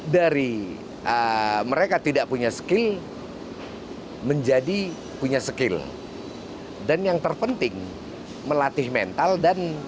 dari mereka tidak punya skill menjadi punya skill dan yang terpenting melatih mental dan